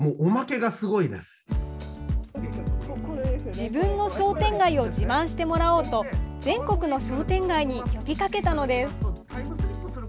自分の商店街を自慢してもらおうと全国の商店街に呼びかけたのです。